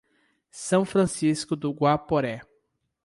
São Francisco do Guaporé